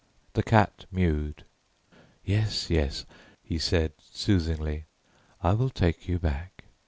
The cat mewed. "Yes, yes," he said soothingly, "I will take you back.